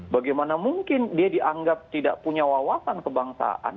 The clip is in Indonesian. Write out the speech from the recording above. bagaimana mungkin dia dianggap tidak punya wawasan kebangsaan